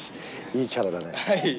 いいキャラだね。